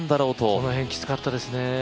この辺、きつかったですね。